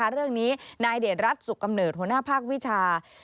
เรื่องนี้นายเดชรัฐสุขกำเนิดหัวหน้าภาควิชา